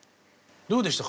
どうでしたか？